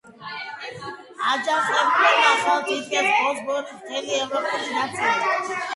აჯანყებულებმა ხელთ იგდეს ბოსფორის მთელი ევროპული ნაწილი.